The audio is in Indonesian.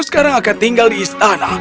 sekarang akan tinggal di istana